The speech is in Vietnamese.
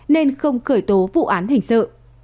nên không khởi tố vụ án hình sự